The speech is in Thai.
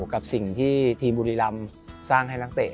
กับสิ่งที่ทีมบุรีรำสร้างให้นักเตะ